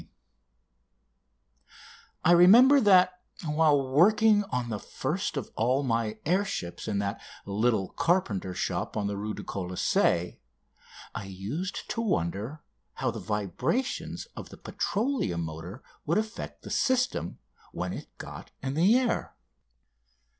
[Illustration: THE QUESTION OF PHYSICAL DANGER] I remember that while working on the first of all my air ships in that little carpenter shop of the Rue du Colisée I used to wonder how the vibrations of the petroleum motor would affect the system when it got in the air.